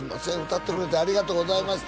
「歌ってくれてありがとうございました」